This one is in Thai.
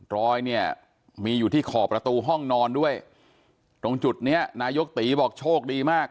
รอยเนี่ยมีอยู่ที่ขอบประตูห้องนอนด้วยตรงจุดนี้นายกตีบอกโชคดีมาก